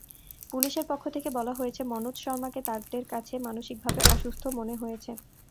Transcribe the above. পুলিশের পক্ষ থেকে বলা হয়েছে, মনোজ শর্মাকে তাদের কাছে মানসিকভাবে অসুস্থ মনে হয়েছে।